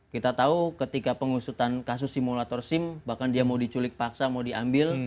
kita tahu ketika pengusutan kasus simulator sim bahkan dia mau diculik paksa mau diambil